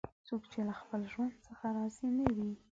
څوک چې له خپل ژوند څخه راضي نه وي